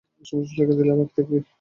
একশো পঁচিশ টাকা দিলে আর বাকী থাকে কী।